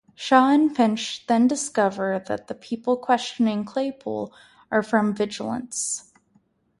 Shaw and Finch then discover that the people questioning Claypool are from Vigilance.